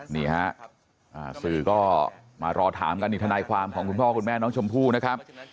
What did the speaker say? นี่ฮะสื่อก็มารอถามกันนี่ทนายความของคุณพ่อคุณแม่น้องชมพู่นะครับ